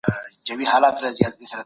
که خلک یووالي ته ژمن وي بریالي کیږي.